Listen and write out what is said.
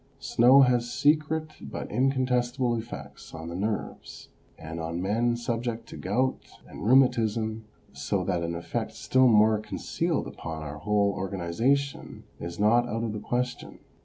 Snow has secret but incontestable effects on the nerves, and on men subject to gout and rheumatism, so that an effect still more concealed upon our whole organisation is not out of the question.